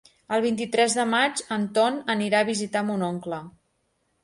El vint-i-tres de maig en Ton anirà a visitar mon oncle.